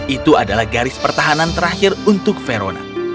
itu adalah garis pertahanan terakhir untuk verona